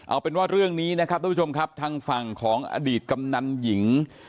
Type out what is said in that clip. เอาเป็นว่าเรื่องนี้นะครับทุกผู้ชมครับทางฝั่งของอดีตกำนันหญิง